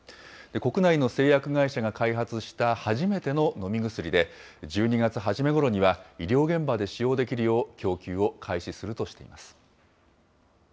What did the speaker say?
国内の製薬会社が開発した初めての飲み薬で、１２月初めごろには、医療現場で使用できるよう、供給を開始するとしています。